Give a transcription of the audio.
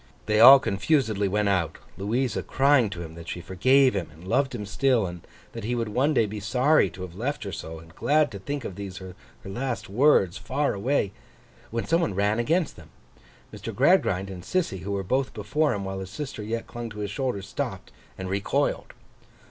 They all confusedly went out: Louisa crying to him that she forgave him, and loved him still, and that he would one day be sorry to have left her so, and glad to think of these her last words, far away: when some one ran against them. Mr. Gradgrind and Sissy, who were both before him while his sister yet clung to his shoulder, stopped and recoiled.